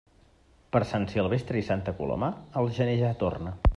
Per Sant Silvestre i Santa Coloma, el gener ja torna.